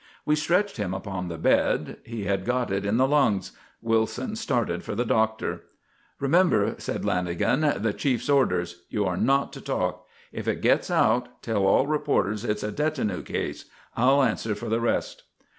We stretched him upon the bed. He had got it in the lungs. Wilson started for the doctor. "Remember," said Lanagan, "the chief's orders. You are not to talk. If it gets out, tell all reporters it's a detinue case. I'll answer for the rest."